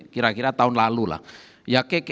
kira kira tahun lalu lah ya